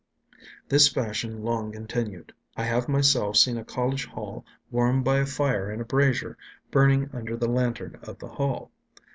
This fashion long continued. I have myself seen a college hall warmed by a fire in a brazier burning under the lantern of the hall.